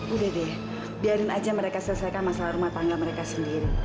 udah deh biarin aja mereka selesaikan masalah rumah tangga mereka sendiri